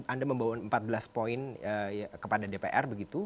anda membawa empat belas poin kepada dpr begitu